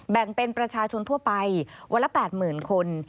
แบ่งเป็นประชาชนทั่วไปวันละ๘๐๐๐คน